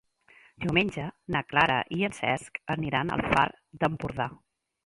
Diumenge na Clara i en Cesc aniran al Far d'Empordà.